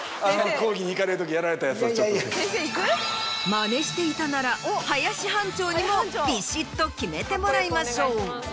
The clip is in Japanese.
マネしていたなら林ハンチョウにもビシっと決めてもらいましょう。